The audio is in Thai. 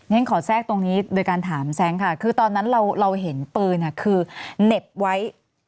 ฉันขอแทรกตรงนี้โดยการถามแซงค่ะคือตอนนั้นเราเห็นปืนคือเหน็บไว้